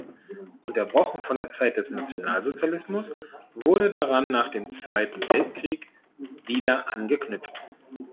Unterbrochen von der Zeit des Nationalsozialismus wurde daran nach dem Zweiten Weltkrieg wieder angeknüpft.